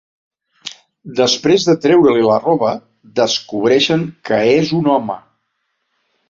Després de treure-li la roba, descobreixen que és un home.